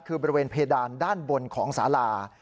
คือบริเวณเพดานด้านบนของสารา